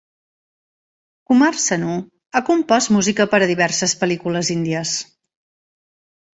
Kumar Sanu ha compost música per a diverses pel·lícules índies.